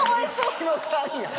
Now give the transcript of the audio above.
錦野さんやん！